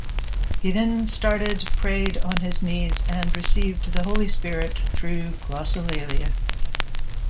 He then started prayed on his knees and received the Holy Spirit through glossolalia.